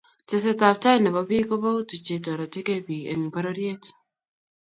teset ab tai ne bo biik ko pou tuchye toretokee pik eng pororiet